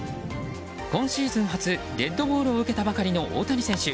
今シーズン初デッドボールを受けたばかりの大谷選手。